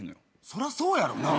そらそうやろな。